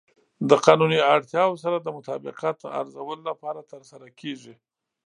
د قانوني اړتیاوو سره د مطابقت ارزولو لپاره ترسره کیږي.